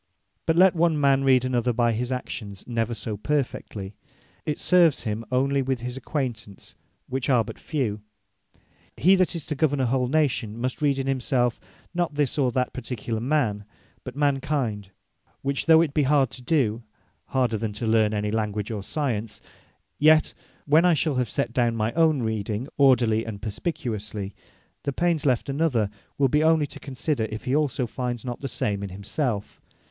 But let one man read another by his actions never so perfectly, it serves him onely with his acquaintance, which are but few. He that is to govern a whole Nation, must read in himselfe, not this, or that particular man; but Man kind; which though it be hard to do, harder than to learn any Language, or Science; yet, when I shall have set down my own reading orderly, and perspicuously, the pains left another, will be onely to consider, if he also find not the same in himselfe.